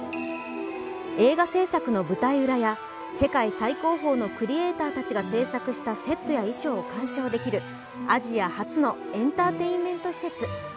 映画製作の舞台裏や世界最高峰のクリエーターたちが制作したセットや衣装を鑑賞できるアジア初のエンターテインメント施設。